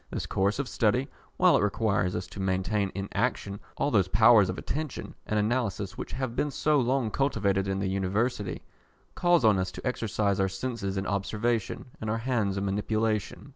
This course of study, while it requires us to maintain in action all those powers of attention and analysis which have been so long cultivated in the University, calls on us to exercise our senses in observation, and our hands in manipulation.